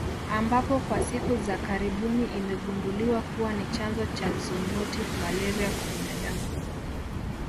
Ambapo kwa siku za karibuni imegunduliwa kuwa ni chanzo cha zoonotic malaria kwa binadamu